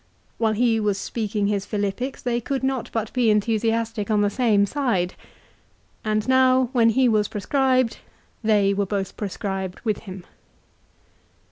While he was speaking his Philippics they could not but be enthusiastic on the same side. And now when he was proscribed they were both proscribed with him.